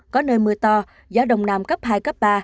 có nơi mưa to gió đông nam cấp hai cấp ba